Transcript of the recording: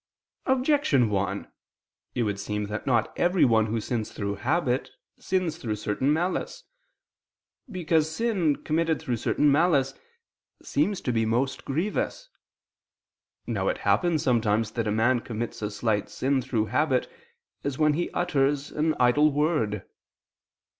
Objection 1: It would seem that not every one who sins through habit, sins through certain malice. Because sin committed through certain malice, seems to be most grievous. Now it happens sometimes that a man commits a slight sin through habit, as when he utters an idle word.